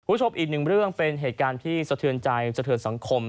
คุณผู้ชมอีกหนึ่งเรื่องเป็นเหตุการณ์ที่สะเทือนใจสะเทือนสังคม